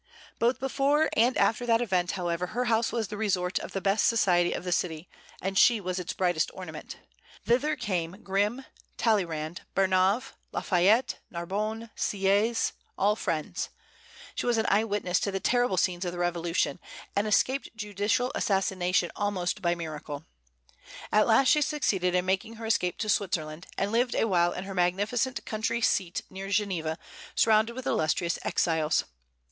Both before and after that event, however, her house was the resort of the best society of the city, and she was its brightest ornament. Thither came Grimm, Talleyrand, Barnave, Lafayette, Narbonne, Sieyès, all friends. She was an eye witness to the terrible scenes of the Revolution, and escaped judicial assassination almost by miracle. At last she succeeded in making her escape to Switzerland, and lived a while in her magnificent country seat near Geneva, surrounded with illustrious exiles.